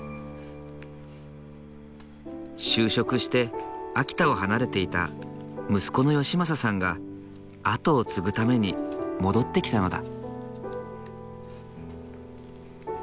就職して秋田を離れていた息子の昌正さんが後を継ぐために戻ってきたのだ。